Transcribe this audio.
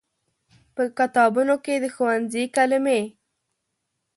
په کتابونو کې د ښوونځي کلمې